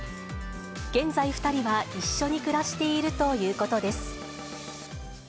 現在、２人は一緒に暮らしているということです。